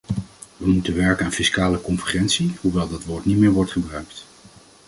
We moeten werken aan fiscale convergentie, hoewel dat woord niet meer wordt gebruikt.